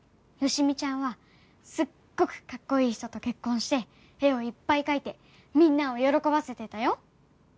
好美ちゃんはすっごくかっこいい人と結婚して絵をいっぱい描いてみんなを喜ばせてたよ。